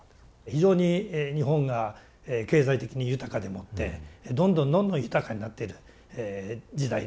非常に日本が経済的に豊かでもってどんどんどんどん豊かになっている時代でございました。